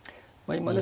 今ね